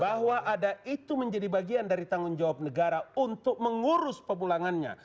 bahwa ada itu menjadi bagian dari tanggung jawab negara untuk mengurus pemulangannya